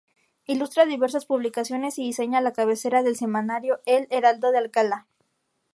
Ilustra diversas publicaciones, y diseña la cabecera del semanario el "Heraldo de Alcalá".